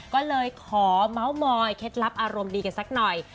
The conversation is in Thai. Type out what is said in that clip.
ก็เลยขอเมาส์มอยเคล็ดลับอารมณ์ดีกันสักหน่อย